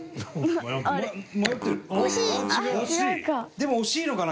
でも、惜しいのかな？